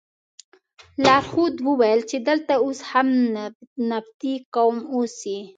لارښود وویل چې دلته اوس هم نبطي قوم اوسي.